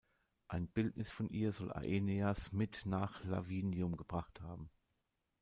Ein Bildnis von ihr soll Aeneas mit nach Lavinium gebracht haben.